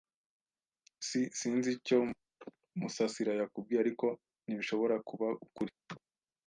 S Sinzi icyo Musasira yakubwiye, ariko ntibishobora kuba ukuri.